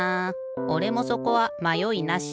おれもそこはまよいなし。